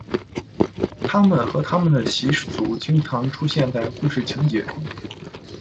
他们和他们的习俗经常出现在故事情节中。